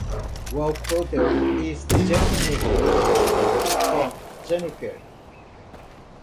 "Wacholder" is the German word for "juniper".